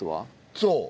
そう。